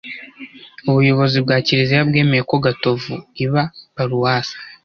ubuyobozi bwa kiliziya bwemeye ko gatovu iba paruwasi